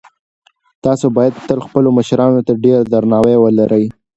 تاسو باید تل خپلو مشرانو ته ډېر درناوی ولرئ.